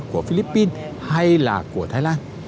của philippines hay là của thái lan